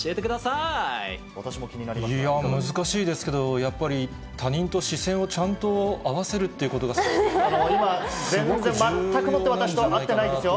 いや、難しいですけど、やっぱり他人と視線をちゃんと合わせるっていうことがすごく重要